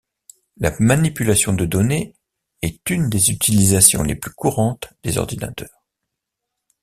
La manipulation de données est une des utilisations les plus courantes des ordinateurs.